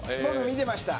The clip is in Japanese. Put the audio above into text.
見てました。